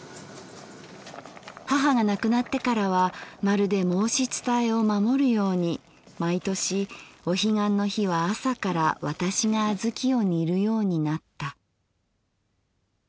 母がなくなってからはまるで申し伝えを守るように毎年お彼岸の日は朝から私が小豆を煮るようになった」。